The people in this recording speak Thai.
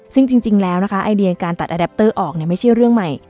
ซึ่งจริงแล้วนะคะไอเดียการตัดแดปเตอร์ออกเนี่ยไม่ใช่เรื่องใหม่